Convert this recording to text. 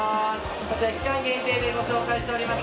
こちら、期間限定でご紹介しております